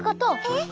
え？